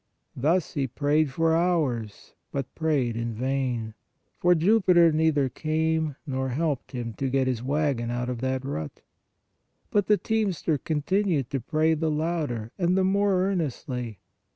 Thus he prayed for hours, but prayed in vain, for Jupiter neither came nor helped him to get his wagon out of that rut. But the teamster continued to pray the louder and the more earnestly.